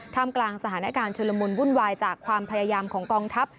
กลางสถานการณ์ชุลมุนวุ่นวายจากความพยายามของกองทัพ